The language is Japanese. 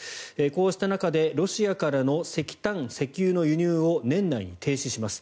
こうした中でロシアからの石炭、石油の輸入を年内に停止します。